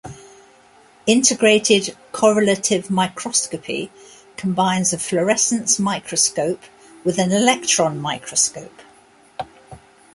Integrated correlative microscopy combines a fluorescence microscope with an electron microscope.